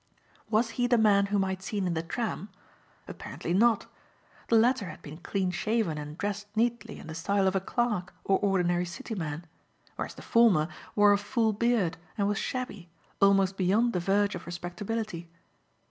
Was he the man whom I had seen in the tram? Apparently not. The latter had been clean shaven and dressed neatly in the style of a clerk or ordinary City man, whereas the former wore a full beard and was shabby, almost beyond the verge of respectability.